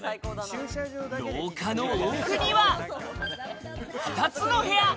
廊下の奥には２つの部屋。